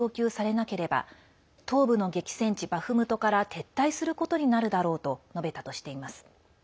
インタビューの中でロシア軍から弾薬が供給されなければ東部の激戦地バフムトから撤退することになるだろうと述べたとしています。